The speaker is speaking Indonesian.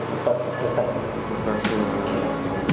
kita berdoa bersama sama semoga covid ini bisa tetap selesai